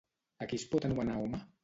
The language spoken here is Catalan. A qui es pot anomenar home?